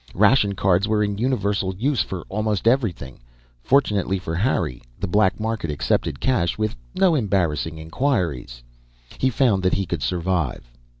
Ration cards were in universal use for almost everything; fortunately for Harry, the black market accepted cash with no embarrassing inquiries. He found that he could survive.